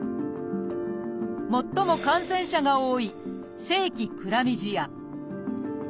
最も感染者が多い「性器クラミジア」。